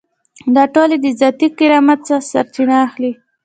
دا ټول د ذاتي کرامت څخه سرچینه اخلي.